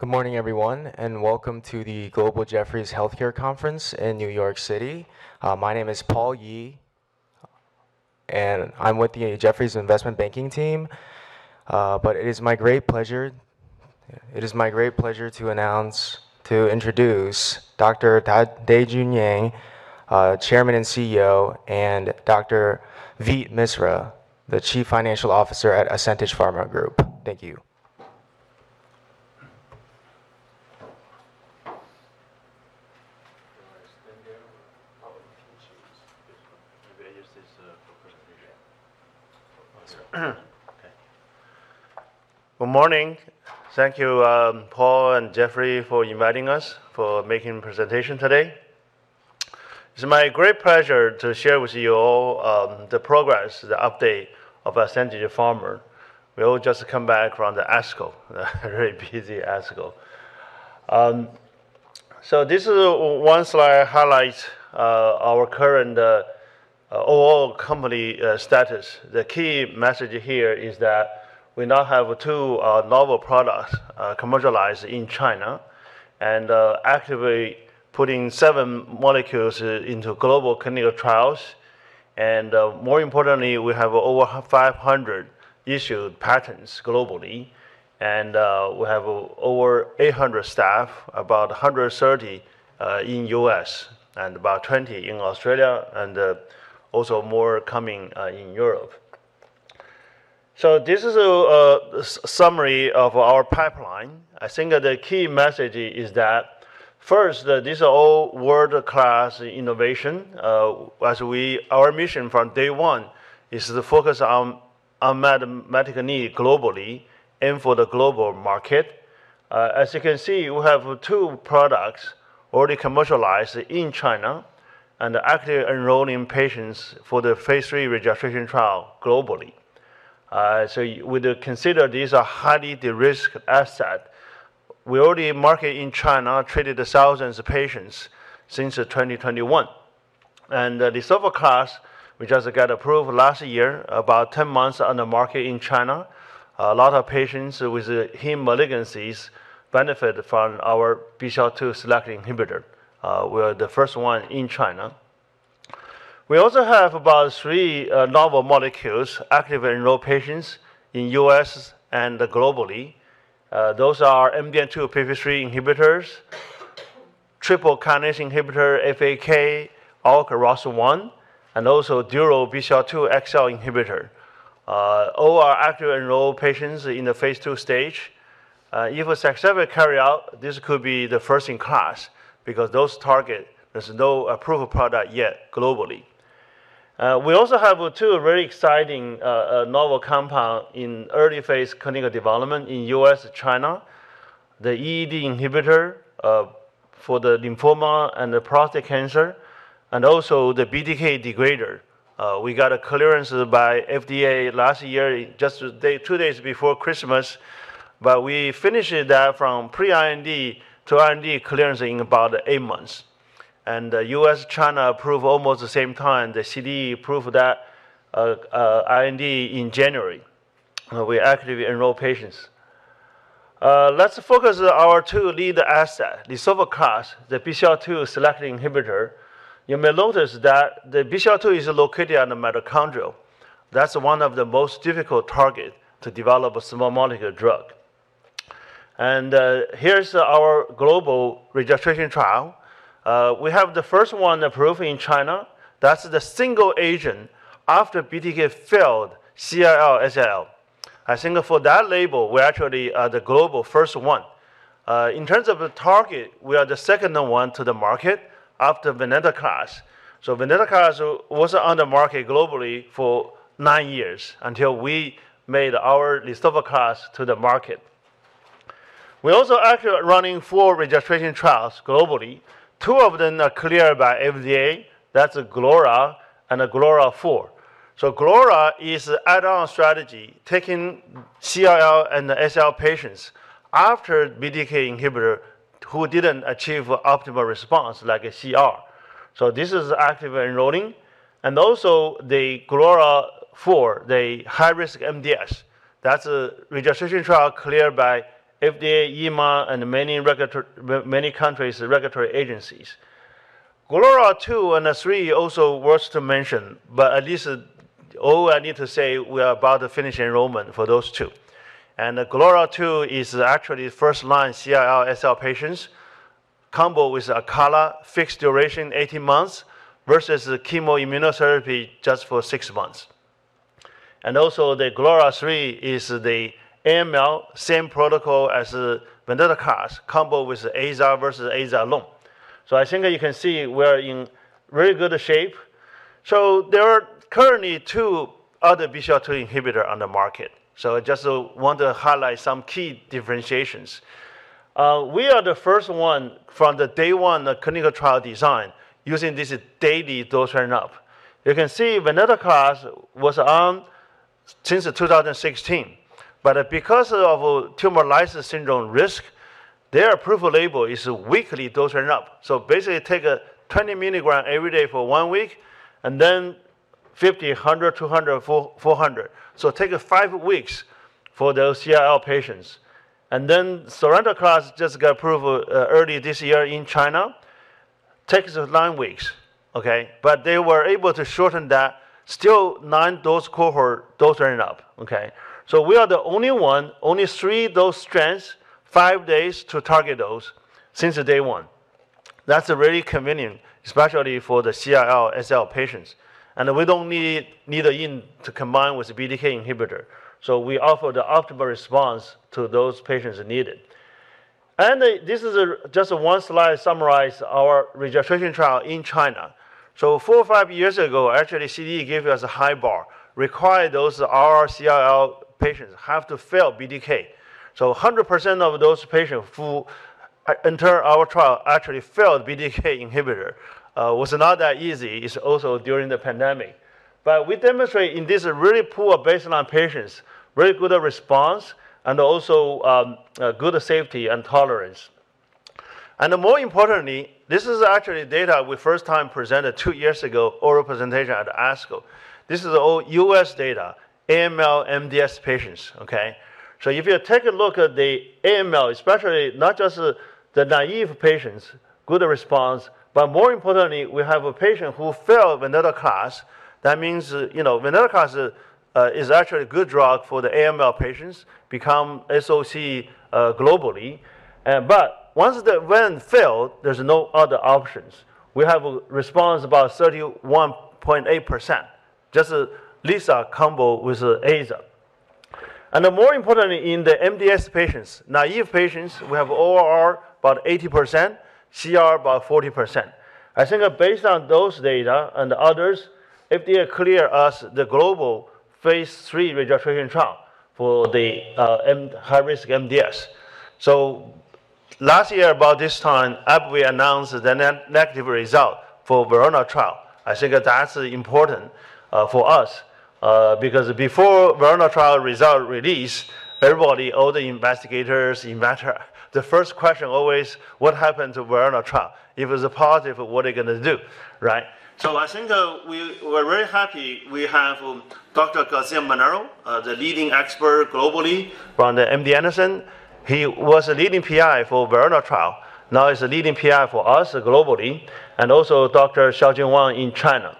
Good morning, everyone, welcome to the Global Jefferies Healthcare Conference in New York City. My name is Paul Yee, I'm with the Jefferies Investment Banking team. It is my great pleasure to introduce Dr. Dajun Yang, Chairman and CEO, and Dr. Veet Misra, the Chief Financial Officer at Ascentage Pharma Group. Thank you. Do I stand here? You can choose. This one. Maybe I use this for presentation. Okay. Good morning. Thank you, Paul and Jefferies for inviting us for making presentation today. It's my great pleasure to share with you all the progress, the update of Ascentage Pharma. We all just come back from the ASCO, very busy ASCO. This is one slide highlight our current overall company status. The key message here is that we now have two novel products commercialized in China, and actively putting seven molecules into global clinical trials. More importantly, we have over 500 issued patents globally, and we have over 800 staff, about 130 in U.S., and about 20 in Australia, and also more coming in Europe. This is a summary of our pipeline. I think that the key message is that first, these are all world-class innovation. As our mission from day one is to focus on unmet medical need globally and for the global market. As you can see, we have two products already commercialized in China and actively enrolling patients for the Phase III registration trial globally. We consider these a highly de-risked asset. We already market in China, treated thousands of patients since 2021. The lisaftoclax, which just got approved last year, about 10 months on the market in China. A lot of patients with heme malignancies benefit from our BCL-2 selective inhibitor. We are the first one in China. We also have about three novel molecules actively enroll patients in U.S. and globally. Those are MDM2-p53 inhibitors, triple kinase inhibitor, FAK, ALK, ROS1, and also dual BCL-2/BCL-XL inhibitor. All are actively enroll patients in the Phase II stage. If successfully carry out, this could be the first in class because those target, there's no approved product yet globally. We also have two very exciting novel compound in early phase clinical development in U.S., China. The EED inhibitor for the lymphoma and the prostate cancer, and also the BTK degrader. We got a clearance by FDA last year, just two days before Christmas, but we finished that from pre-IND to IND clearance in about eight months. U.S., China approved almost the same time. The CDE approved that IND in January. We actively enroll patients. Let's focus our two lead asset, the lisaftoclax, the BCL-2 selective inhibitor. You may notice that the BCL-2 is located on the mitochondrial. That's one of the most difficult target to develop a small molecule drug. Here's our global registration trial. We have the first one approved in China. That's the single agent after BTK failed CR/SR. I think for that label, we're actually the global first one. In terms of the target, we are the second one to the market after venetoclax. venetoclax was on the market globally for nine years until we made our lisaftoclax to the market. We actually are running four registration trials globally. Two of them are cleared by FDA. That is GLORA and GLORA-4. GLORA is add-on strategy, taking CLL and SLL patients after BTK inhibitor who did not achieve optimal response like a CR. This is actively enrolling. Also the GLORA-4, the high-risk MDS. That is a registration trial cleared by FDA, EMA, and many countries' regulatory agencies. GLORA-2 and GLORA-3 also worth to mention, but at least all I need to say, we are about to finish enrollment for those two. GLORA-2 is actually first-line CLL/SLL patients combo with Acalla fixed duration 18 months versus the chemo immunotherapy just for six months. Also the GLORA-3 is the AML same protocol as venetoclax combo with AZA versus AZA alone. I think you can see we are in very good shape. There are currently two other BCL-2 inhibitor on the market. I just want to highlight some key differentiations. We are the first one from the day one clinical trial design using this daily dosing up. You can see venetoclax was on since 2016, but because of tumor lysis syndrome risk, their approval label is weekly dosing up. Basically take a 20 mg every day for one week, then 50, 100, 200, 400. It takes five weeks for those CLL patients. sonrotoclax just got approved early this year in China. Takes them nine weeks. Okay? But they were able to shorten that. Still 9 dose cohort dosing up. Okay? We are the only one, only three dose strengths, five days to target dose since day one. That is very convenient, especially for the CLL/SLL patients. We do not need to combine with a BTK inhibitor. We offer the optimal response to those patients needed. This is just one slide summarize our registration trial in China. four or five years ago, actually, CDE gave us a high bar, require those RR CLL patients have to fail BTK. 100% of those patients who enter our trial actually failed BTK inhibitor. Was not that easy, it is also during the pandemic. We demonstrate in this really poor baseline patients very good response and also good safety and tolerance. More importantly, this is actually data we first time presented two years ago, oral presentation at ASCO. This is all U.S. data, AML MDS patients. Okay? If you take a look at the AML, especially not just the naive patients, good response, but more importantly, we have a patient who failed venetoclax. That means venetoclax is actually a good drug for the AML patients, become SOC globally. Once the ven failed, there is no other options. We have a response about 31.8%, just Lisa combo with AZA. More importantly, in the MDS patients, naive patients, we have ORR about 80%, CR about 40%. Based on those data and others, FDA cleared us the global phase III registration trial for the high-risk MDS. Last year about this time, AbbVie announced the negative result for VERONA trial. That is important for us because before VERONA trial result release, everybody, all the investigators, investor, the first question always, what happened to VERONA trial? If it is positive, what are you going to do, right? I think we're very happy. We have Dr. Gaziano, the leading expert globally from the MD Anderson Cancer Center. He was the leading PI for VERONA trial, now he's the leading PI for us globally, and also Dr. Xiaojun Wang in China.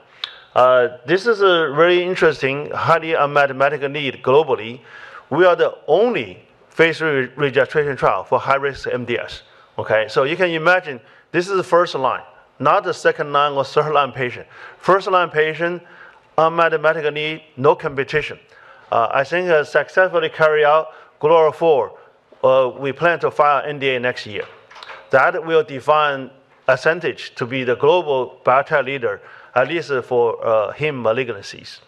This is a very interesting, highly unmet medical need globally. We are the only Phase III registrational trial for higher-risk MDS. Okay? You can imagine this is the first-line, not the second-line or third-line patient. First-line patient, unmet medical need, no competition. I think successfully carry out GLORA-4, we plan to file NDA next year. That will define Ascentage to be the global biotech leader, at least for heme malignancies.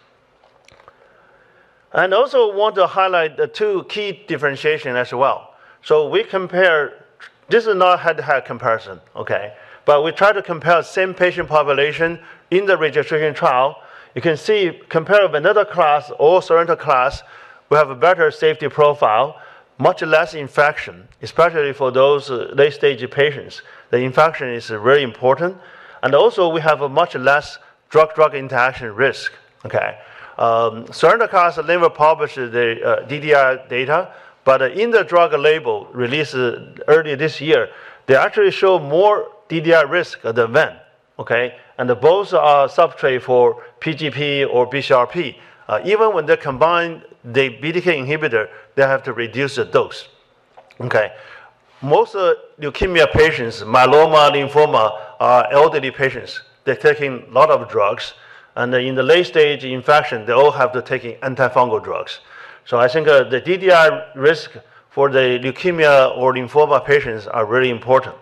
Also want to highlight the two key differentiation as well. We compare. This is not head-to-head comparison, okay? We try to compare same patient population in the registrational trial. You can see compare venetoclax or sonrotoclax, we have a better safety profile, much less infection, especially for those late-stage patients. The infection is very important. Also we have a much less drug-drug interaction risk. Okay? Sonrotoclax, they will publish the DDI data, but in the drug label released earlier this year, they actually show more DDI risk than ven. Okay? Both are substrate for PGP or BCRP. Even when they combine the BTK inhibitor, they have to reduce the dose. Okay? Most leukemia patients, myeloma, lymphoma, are elderly patients. They're taking lot of drugs, and in the late-stage infection, they all have to taking antifungal drugs. I think the DDI risk for the leukemia or lymphoma patients are really important.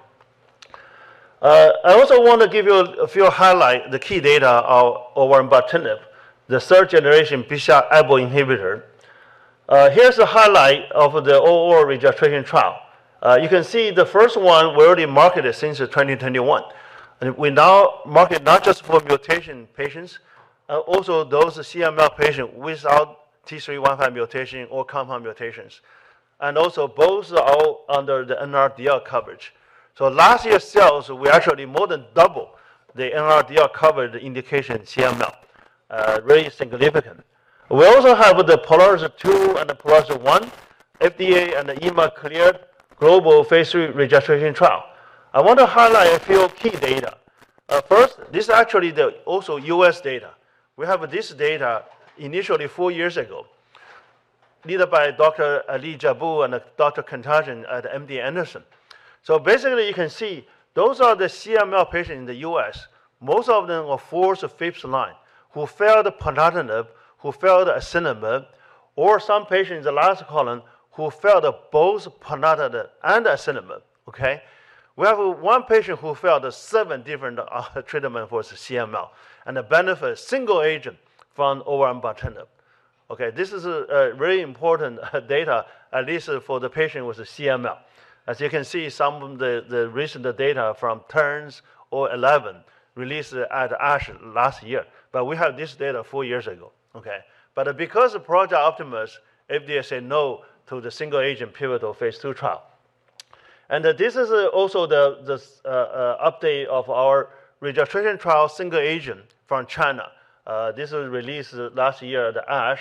I also want to give you a few highlights of the key data of olverembatinib, the third-generation PI3K-ABL inhibitor. Here's the highlight of the overall registrational trial. You can see the first one we already marketed since 2021. We now market not just for mutation patients, also those CML patient without T315 mutation or compound mutations. Also both are under the NRDL coverage. Last year sales, we actually more than doubled the NRDL covered indication CML. Very significant. We also have the POLARIS-2 and POLARIS-1 FDA and EMA-cleared global phase III registrational trial. I want to highlight a few key data. First, this is actually also U.S. data. We have this data initially four years ago, led by Dr. Ali Jabu and Dr. Hagop Kantarjian at MD Anderson Cancer Center. Basically, you can see those are the CML patients in the U.S. Most of them are fourth or fifth-line who failed ponatinib, who failed asciminib, or some patients in the last column who failed both ponatinib and asciminib. Okay? We have one patient who failed seven different treatment for CML, and benefit single agent from olverembatinib. Okay, this is very important data, at least for the patient with CML. As you can see, some of the recent data from Takeda or 11 released at ASH last year. We have this data four years ago. Okay? Because of Project Optimus, FDA said no to the single-agent pivotal Phase II trial. This is also the update of our registrational trial single agent from China. This was released last year at the ASH.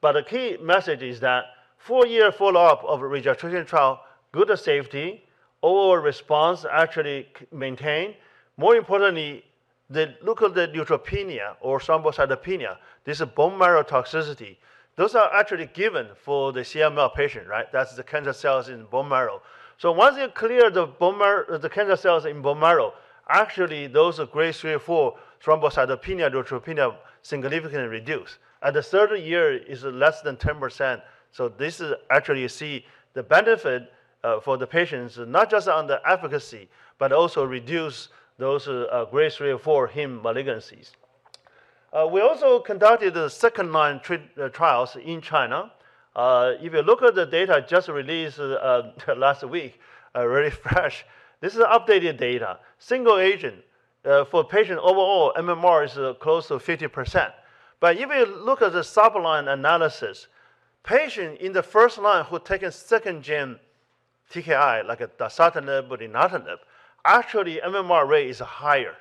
The key message is that four-year follow-up of registrational trial, good safety, overall response actually maintained. More importantly, look at the neutropenia or thrombocytopenia. This is bone marrow toxicity. Those are actually given for the CML patient. That's the cancer cells in bone marrow. Once you clear the cancer cells in bone marrow, actually those Grade III or IV thrombocytopenia, neutropenia significantly reduce. At the third year it's less than 10%. This is actually, you see the benefit for the patients, not just on the efficacy, but also reduce those Grade III or IV heme malignancies. We also conducted the second-line treat trials in China. If you look at the data just released last week, really fresh, this is updated data. Single agent for patient overall MMR is close to 50%. If you look at the sub-line analysis, patient in the first line who taken second gen TKI like dasatinib, ponatinib, actually MMR rate is higher.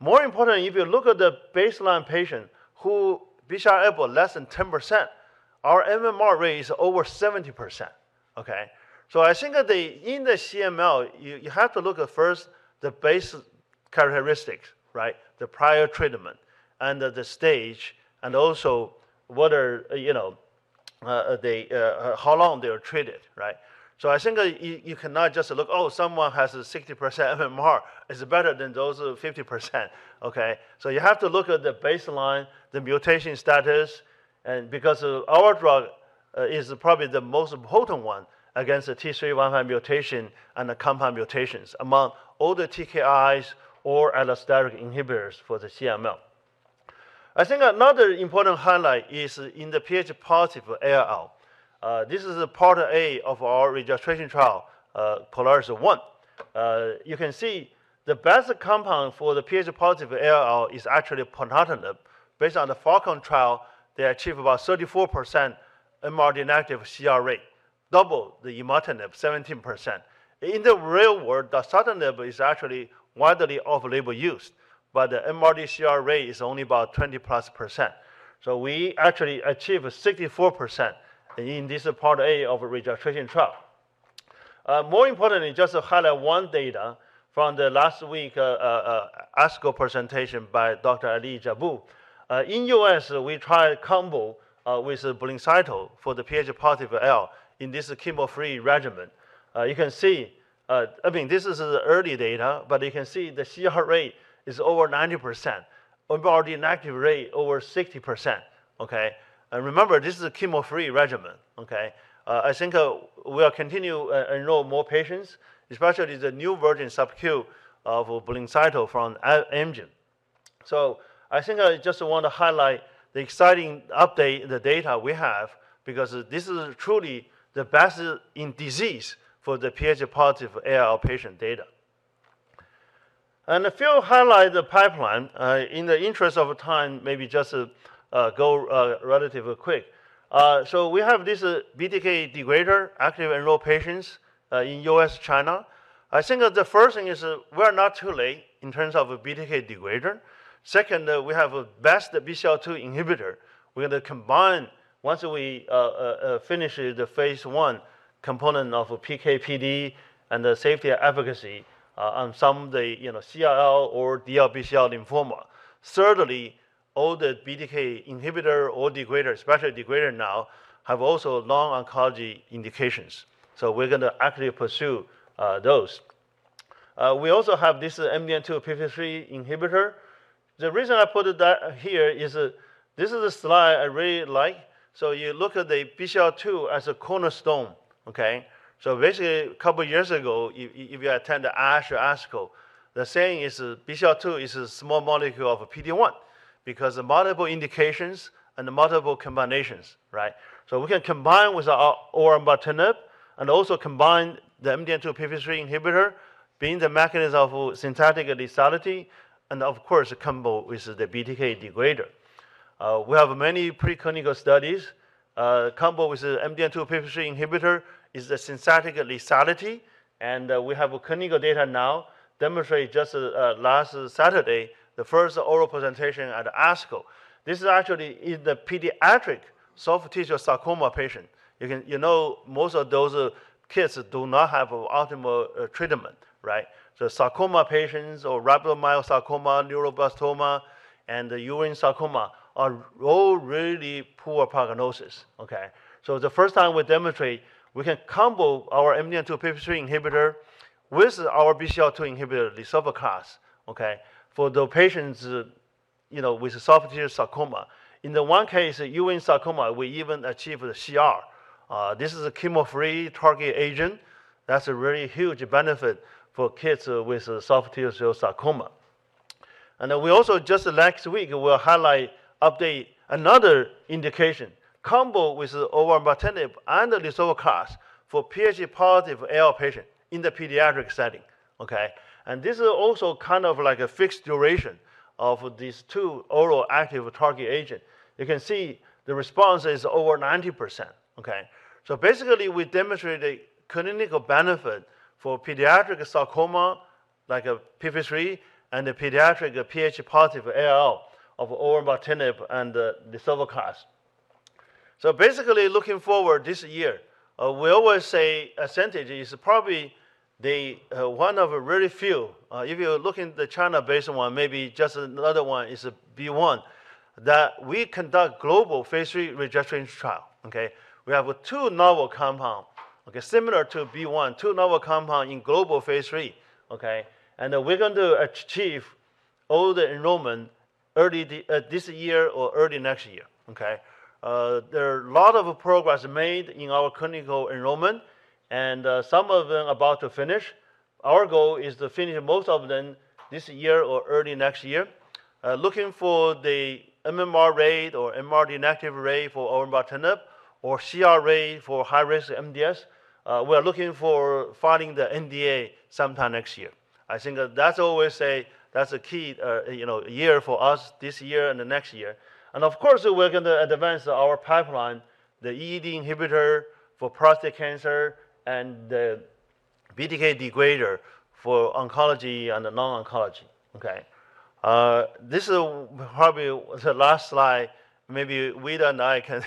More importantly, if you look at the baseline patient who BCR-ABL less than 10%, our MMR rate is over 70%. I think that in the CML, you have to look at first the base characteristics. The prior treatment and the stage, and also how long they are treated. I think that you cannot just look, oh, someone has a 60% MMR, is better than those 50%. You have to look at the baseline, the mutation status, and because our drug is probably the most potent one against the T315I mutation and the compound mutations among all the TKIs or allosteric inhibitors for the CML. I think another important highlight is in the Ph-positive ALL. This is a part A of our registration trial, POLARIS-1. You can see the best compound for the Ph-positive ALL is actually ponatinib. Based on the PhALLCON trial, they achieve about 34% MRD negative CR rate, double the imatinib, 17%. In the real world, dasatinib is actually widely off-label use, but the MRD CR rate is only about 20+%. We actually achieve 64% in this part A of a registration trial. More importantly, just to highlight one data from the last week, ASCO presentation by Dr. Elias Jabbour. In U.S., we try combo with BLINCYTO for the Ph-positive ALL in this chemo-free regimen. This is the early data, but you can see the CR rate is over 90%, overall inactive rate over 60%. Remember, this is a chemo-free regimen. I think we'll continue enroll more patients, especially the new version sub-Q of BLINCYTO from Amgen. I think I just want to highlight the exciting update in the data we have because this is truly the best in disease for the Ph-positive ALL patient data. A few highlight the pipeline, in the interest of time, maybe just go relatively quick. We have this BTK degrader, actively enroll patients in U.S., China. I think that the first thing is we are not too late in terms of a BTK degrader. Second, we have a best BCL2 inhibitor. We're going to combine once we finish the Phase I component of PK/PD and the safety efficacy on some of the CLL or DLBCL lymphoma. Thirdly, all the BTK inhibitor or degrader, especially degrader now, have also long oncology indications. We're going to actively pursue those. We also have this MDM2-p53 inhibitor. The reason I put that here is this is a slide I really like. You look at the BCL-2 as a cornerstone. A couple of years ago, if you attend the ASH or ASCO, the saying is BCL-2 is a small molecule of a PD-1 because of multiple indications and multiple combinations. We can combine with our olverembatinib and also combine the MDM2-p53 inhibitor being the mechanism of synthetic lethality, and of course, a combo with the BTK degrader. We have many preclinical studies, combo with the MDM2-p53 inhibitor is the synthetic lethality. We have clinical data now demonstrate just last Saturday, the first oral presentation at ASCO. This is actually in the pediatric soft tissue sarcoma patient. You know most of those kids do not have optimal treatment. Sarcoma patients or rhabdomyosarcoma, neuroblastoma, and the Ewing sarcoma are all really poor prognosis. The first time we demonstrate we can combo our MDM2-p53 inhibitor with our BCL-2 inhibitor, lisaftoclax, for the patients with soft tissue sarcoma. In the one case, Ewing sarcoma, we even achieve the CR. This is a chemo-free target agent. That's a really huge benefit for kids with soft tissue sarcoma. We also just the next week will highlight update another indication combo with the olverembatinib and the lisaftoclax for Ph-positive ALL patient in the pediatric setting. This is also like a fixed duration of these two oral active target agent. You can see the response is over 90%. We demonstrate a clinical benefit for pediatric sarcoma, like a PI3K-δ, and the pediatric Ph-positive ALL of olverembatinib and the lisaftoclax. Looking forward this year, we always say Ascentage is probably one of very few. If you look in the China-based one, maybe just another one is BeiGene, that we conduct global Phase III registrational trial. We have two novel compounds, similar to BeiGene, two novel compounds in global Phase III. We're going to achieve all the enrollment early this year or early next year. There are a lot of progress made in our clinical enrollment, and some of them about to finish. Our goal is to finish most of them this year or early next year. Looking for the MMR rate or MMR inactive rate for olverembatinib or CR rate for high-risk MDS. We are looking for filing the NDA sometime next year. I think that's a key year for us this year and the next year. Of course, we're going to advance our pipeline, the EED inhibitor for prostate cancer and the BTK degrader for oncology and the non-oncology. This is probably the last slide. Maybe Veet and I can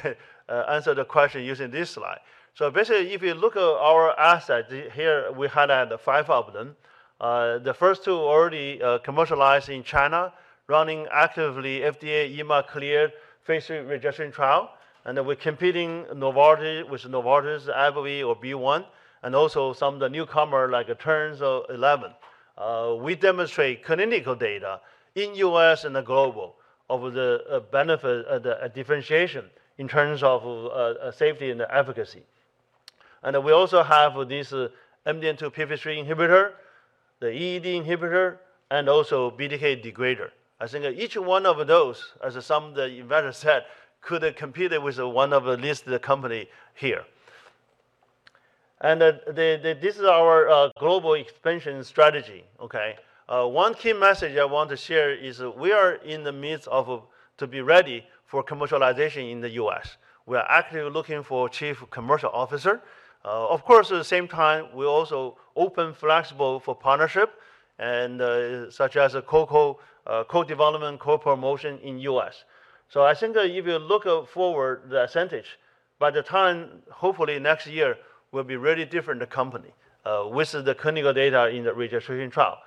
answer the question using this slide. If you look at our assets here, we highlight the five of them. The first two already commercialized in China, running actively FDA, European Medicines Agency cleared Phase III registrational trial. We're competing with Novartis, AbbVie or BeiGene, and also some of the newcomer, like 11. We demonstrate clinical data in U.S. and the global of the benefit of the differentiation in terms of safety and efficacy. We also have this MDM2-p53 inhibitor, the PI3K-δ inhibitor, the EED inhibitor, and also BTK degrader. I think each one of those, as some of the investor said, could compete with one of the listed company here. This is our global expansion strategy. One key message I want to share is we are in the midst of to be ready for commercialization in the U.S. We are actively looking for chief commercial officer. Of course, at the same time, we're also open flexible for partnership, such as co-development, co-promotion in U.S. I think that if you look forward the Ascentage, by the time hopefully next year will be really different company with the clinical data in the registration trial.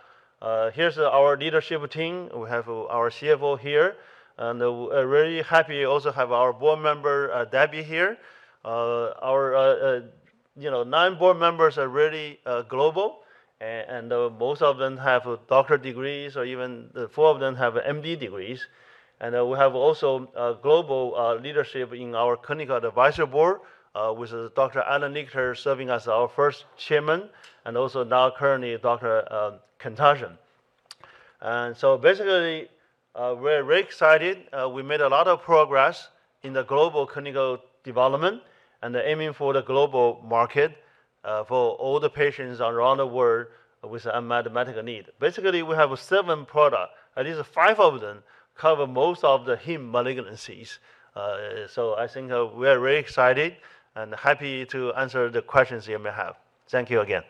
Here's our leadership team. We have our CFO here, and we're really happy also have our board member, Debbie here. Our nine board members are really global, and most of them have doctorate degrees or even the four of them have M.D. degrees. We have also a global leadership in our clinical advisory board, which is Dr. Allen Lichter serving as our first Chairman, and also now currently Dr. Kantarjian. Basically, we're very excited. We made a lot of progress in the global clinical development and aiming for the global market for all the patients around the world with unmet medical need. Basically, we have seven product. At least five of them cover most of the heme malignancies. I think we are very excited and happy to answer the questions you may have. Thank you again.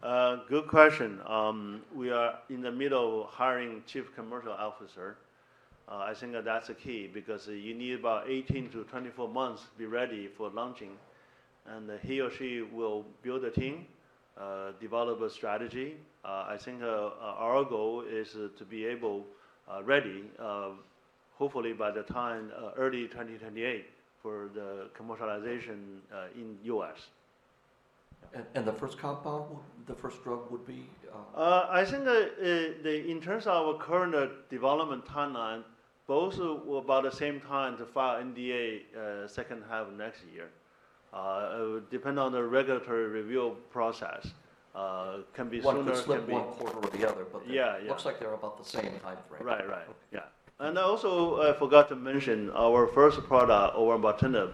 So me and maybe Yifan sit here to answer your question. You may have mentioned this, but where are you in terms of sort of building out a sort of a commercial infrastructure in the U.S. and other ex-China? Good question. We are in the middle of hiring chief commercial officer. I think that's the key because you need about 18-24 months to be ready for launching, and he or she will build a team, develop a strategy. I think our goal is to be able, ready, hopefully by the time early 2028 for the commercialization in U.S. The first compound, the first drug would be? I think in terms of our current development timeline, both were about the same time to file NDA, second half of next year. Depend on the regulatory review process. One could slip one quarter or the other. Yeah. Looks like they're about the same timeframe. Right. Okay. Yeah. I forgot to mention our first product, olverembatinib,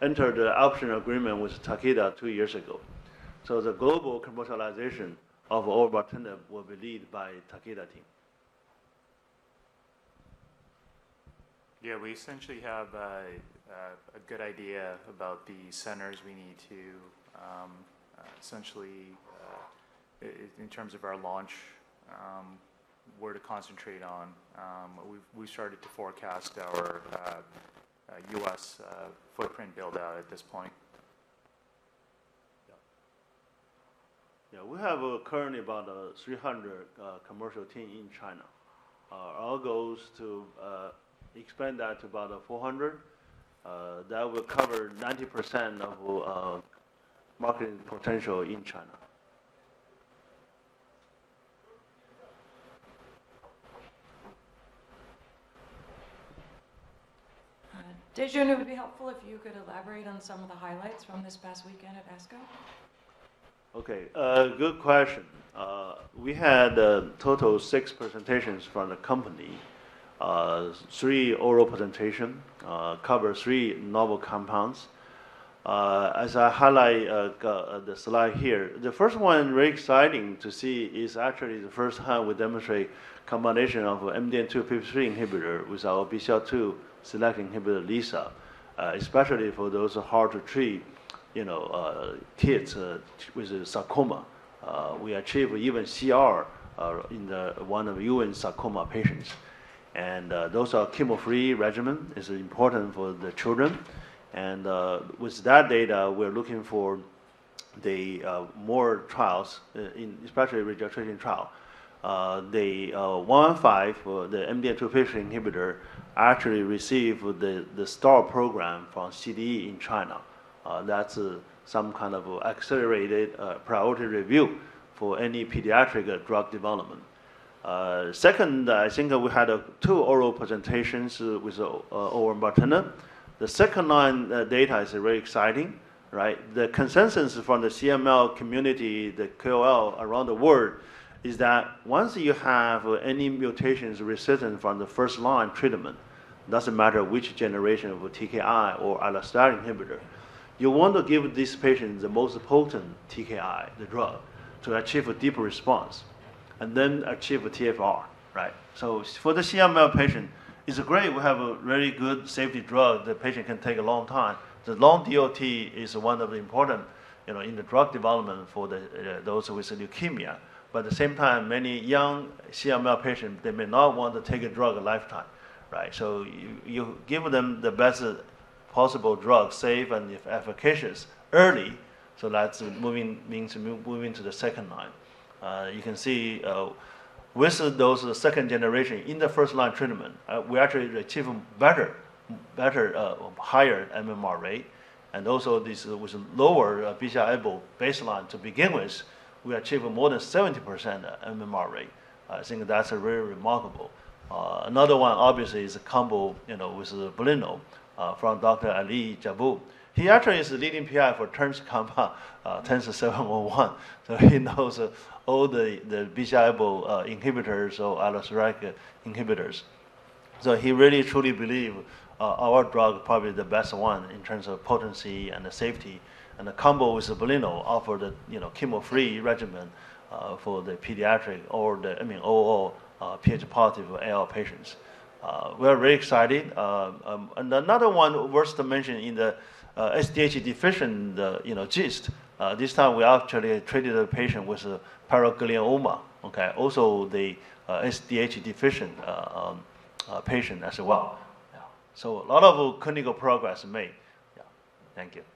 entered the option agreement with Takeda two years ago. The global commercialization of olverembatinib will be led by Takeda team. Yeah, we essentially have a good idea about the centers we need to essentially, in terms of our launch, where to concentrate on. We started to forecast our U.S. footprint build-out at this point. Yeah. We have currently about 300 commercial team in China. Our goal is to expand that to about 400. That will cover 90% of marketing potential in China. Dajun, it would be helpful if you could elaborate on some of the highlights from this past weekend at ASCO. Okay. Good question. We had a total of six presentations from the company. Three oral presentation cover three novel compounds. As I highlight the slide here, the first one, very exciting to see, is actually the first time we demonstrate combination of MDM2-p53 inhibitor with our BCL-2 selective inhibitor, lisa, especially for those hard-to-treat kids with sarcoma. We achieve even CR in one of Ewing sarcoma patients. Those are chemo-free regimen. It's important for the children. With that data, we're looking for more trials, especially registration trial. The 115, the MDM2-p53 inhibitor, actually received the SPARK Program from CDE in China. That's some kind of accelerated priority review for any pediatric drug development. Second, I think we had two oral presentations with our olverembatinib. The second-line data is very exciting. The consensus from the CML community, the KOL around the world, is that once you have any mutations resistant from the first-line treatment, doesn't matter which generation of TKI or allosteric inhibitor, you want to give this patient the most potent TKI, the drug, to achieve a deeper response, and then achieve a TFR. For the CML patient, it's great we have a very good safety drug the patient can take a long time. The long DOT is one of the important in the drug development for those with leukemia. At the same time, many young CML patients, they may not want to take a drug a lifetime, right? You give them the best possible drug, safe and efficacious early, that's moving to the second line. You can see with those second generation in the first-line treatment, we actually achieve a better, higher MMR rate, and also this with lower BCR-ABL baseline to begin with, we achieve more than 70% MMR rate. I think that's very remarkable. Another one obviously is a combo with BLINCYTO from Dr. Elias Jabbour. He actually is the leading PI for Turns compound 10 to 711. He knows all the BCR-ABL inhibitors or allosteric inhibitors. He really truly believe our drug probably the best one in terms of potency and the safety, and the combo with BLINCYTO offer the chemo-free regimen for the pediatric or the Ph-positive ALL patients. We are very excited. Another one worth to mention in the SDH deficient GIST, this time we actually treated a patient with paraganglioma. Also the SDH deficient patient as well. A lot of clinical progress made. Thank you.